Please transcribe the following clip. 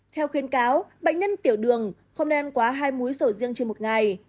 theo khuyến cáo bệnh nhân tiểu đường không nên ăn quá hai múi sầu riêng trên một ngày